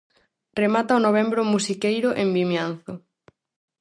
Remata o novembro musiqueiro en Vimianzo.